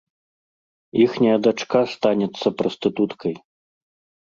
Іхняя дачка станецца прастытуткай.